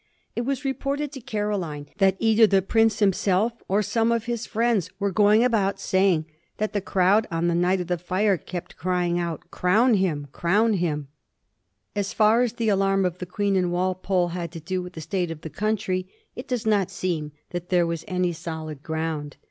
It was re ported to Caroline that either the prince himself or some of his friends were going about saying that the crowd on the night of the fire kept crying out, " Crown him! crown himl" So far as the alarm of the Queen and Walpole had to do with the state of the country, it does not seem that there was any solid ground.